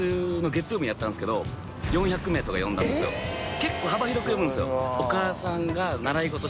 結構幅広く呼ぶんですよ